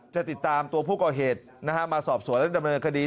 จะติดตามตัวผู้ก่อเหตุมาสอบสวนและดำเนินคดี